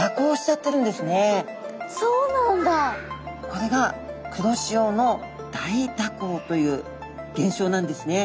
これが黒潮の大蛇行という現象なんですね。